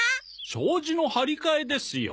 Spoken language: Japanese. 障子の張り替えですよ。